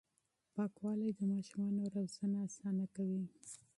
پاکوالي د ماشومانو روزنه اسانه کوي.